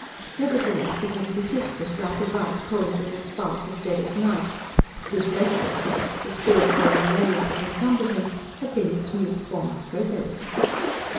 Nevertheless it had persisted, like a bright cold little spark at dead of night: his restlessness, the spiritual malaise that encumbered him had been its mute form of protest.